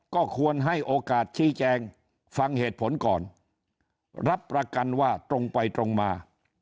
ก็ควรให้โอกาสชี้แจงฟังเหตุผลก่อนรับประกันว่าตรงไปตรงมา